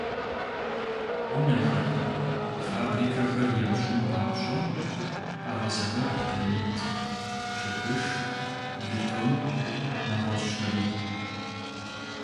Унэхэр, фабрикэхэр ящӀын папщӀэ, къагъэсэбэп гранит, чырбыш, бетон, нэгъуэщӀхэри.